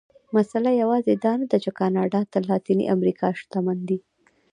مسئله یوازې دا نه ده چې کاناډا تر لاتینې امریکا شتمن دي.